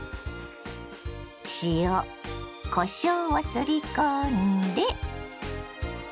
塩こしょうをすり込んで。